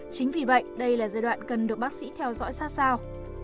chính vì vậy đây là giai đoạn cần được bác sĩ theo dõi xa xao